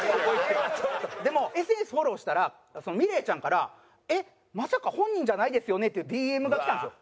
でもＳＮＳフォローしたらみれいちゃんから「えっまさか本人じゃないですよね？」っていうＤＭがきたんですよ。